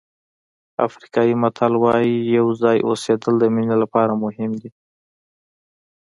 افریقایي متل وایي یو ځای اوسېدل د مینې لپاره مهم دي.